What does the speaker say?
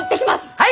はい！